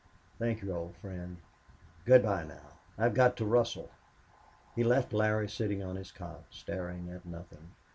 "Thank you, old friend. Good by now. I've got to rustle." He left Larry sitting on his cot, staring at nothing.